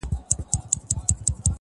• چي د ظلم او استبداد څخه یې -